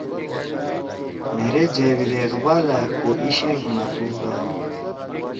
مھیرے جاوید اقبالأ کو عشق ما توبا